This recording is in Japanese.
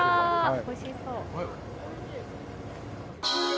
おいしそう。